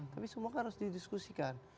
tapi semuanya harus didiskusikan